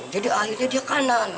jadi akhirnya dia kanan